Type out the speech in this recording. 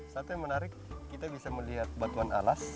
satu yang menarik kita bisa melihat batuan alas